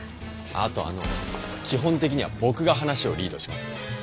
あとあの基本的には僕が話をリードしますんで。